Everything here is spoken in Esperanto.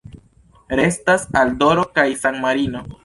Restas Andoro kaj San-Marino.